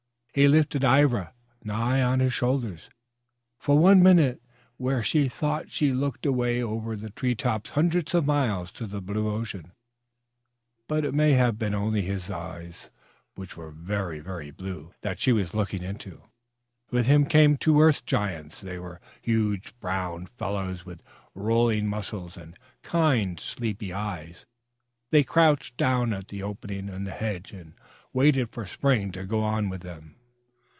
He lifted Ivra nigh on his shoulder for one minute where she thought she looked away over the treetops hundreds of miles to the blue ocean. But it may have been only his eyes, which were very blue, that shee was looking into. With him came two Earth Giants. They were huge brown fellows with rolling muscles and kind, sleepy eyes. They crouched down at the opening in the hedge and waited for Spring to go on with them.